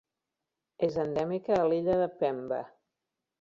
És endèmica a l'Illa de Pemba.